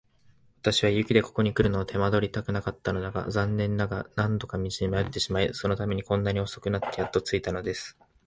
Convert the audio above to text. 私は雪でここにくるのを手間取りたくなかったのだが、残念ながら何度か道に迷ってしまい、そのためにこんなに遅くなってやっと着いたのです。